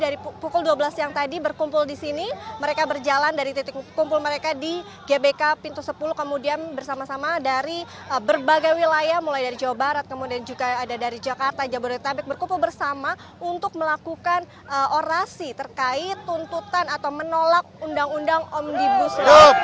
dari jawa barat kemudian juga ada dari jakarta jabodetabek berkumpul bersama untuk melakukan orasi terkait tuntutan atau menolak undang undang omnibus low